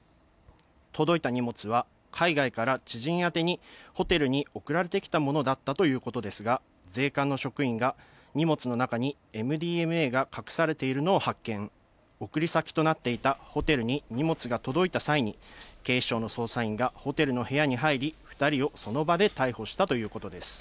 届いた荷物は、海外から知人宛てにホテルに送られてきたものだったということですが、税関の職員が、荷物の中にＭＤＭＡが隠されているのを発見、送り先となっていたホテルに荷物が届いた際に、警視庁の捜査員が、ホテルの部屋に入り、２人をその場で逮捕したということです。